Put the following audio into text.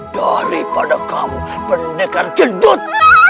daripada kamu pendekar cendut